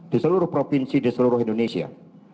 di seluruh provinsi di seluruh indonesia